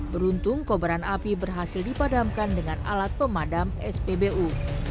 beruntung kobaran api berhasil dipadamkan dengan alat pemadam spbu